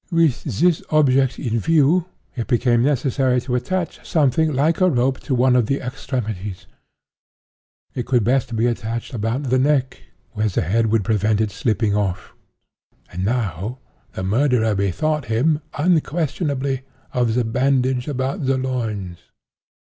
With this object in view, it became necessary to attach something like a rope to one of the extremities. It could be best attached about the neck, where the head would prevent its slipping off. And, now, the murderer bethought him, unquestionably, of the bandage about the loins.